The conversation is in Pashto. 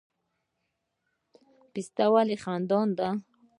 پسته ولې خندان ده؟